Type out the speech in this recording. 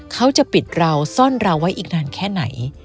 เขาจะปิดเราซ่อนเราไว้อีกนานแค่ไหน